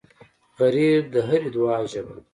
غریب د هرې دعا ژبه ده